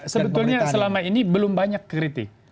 sebetulnya selama ini belum banyak kritik